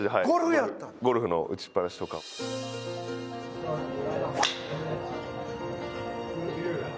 ゴルフの打ちっぱなしとかも。